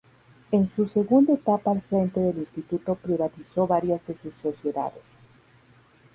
En su segunda etapa al frente del instituto privatizó varias de sus sociedades.